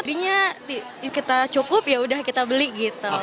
jadinya kita cukup yaudah kita beli gitu